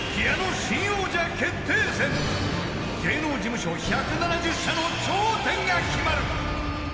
［芸能事務所１７０社の頂点が決まる］